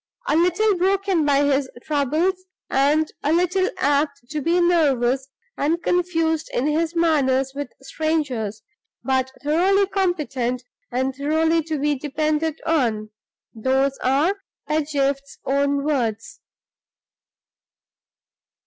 A little broken by his troubles, and a little apt to be nervous and confused in his manner with strangers; but thoroughly competent and thoroughly to be depended on those are Pedgift's own words."